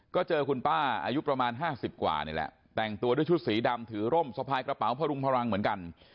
ก็เจอคุณป้าอายุประมาณ๕๐กว่านี่แหละแต่งตัวด้วยชุดสีดำถือร่มสะพายกระเป๋าพรุงพลังเหมือนกัน